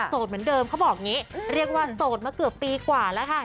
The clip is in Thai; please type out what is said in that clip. โสดเหมือนเดิมเค้าบอกงี้เรียกว่าโสดมาเกือบตีกว่าละค่ะ